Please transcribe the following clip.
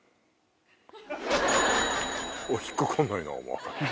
引っ掛かんないなお前。